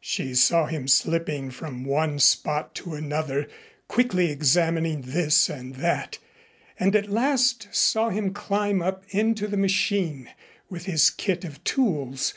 She saw him slipping from one spot to another, quickly examining this and that, and at last saw him climb up into the machine with his kit of tools.